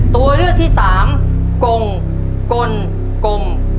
ตัวเลือกที่สามกงกลกง